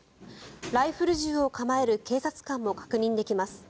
ライフル銃を構える警察官も確認できます。